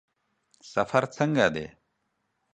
سفر څنګه دی؟